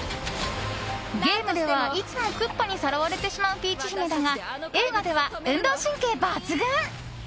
ゲームでは、いつもクッパにさらわれてしまうピーチ姫だが映画では運動神経抜群。